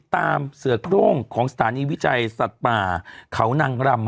ยังไงยังไงยังไงยังไง